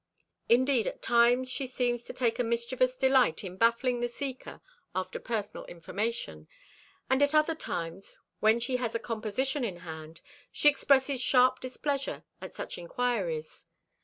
Indeed, she at times seems to take a mischievous delight in baffling the seeker after personal information; and at other times, when she has a composition in hand, she expresses sharp displeasure at such inquiries.